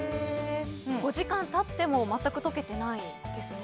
５時間経っても全く溶けてないですね。